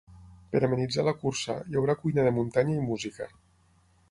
Per amenitzar la cursa, hi haurà cuina de muntanya i música.